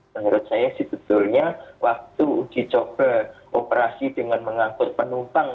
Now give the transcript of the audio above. menurut saya sih sebetulnya waktu uji coba operasi dengan mengangkut penumpang